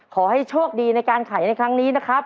ขอให้โชคดีในการไขในครั้งนี้นะครับ